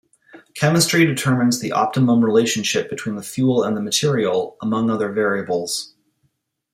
Chemistry determines the optimum relationship between the fuel and the material, among other variables.